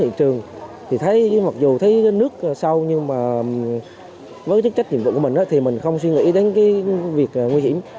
khi mình xuống thị trường thì mặc dù thấy nước sâu nhưng mà với chức trách nhiệm vụ của mình thì mình không suy nghĩ đến việc nguy hiểm